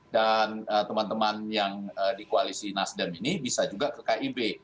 dan teman teman yang di koalisi nasdem ini bisa juga ke kib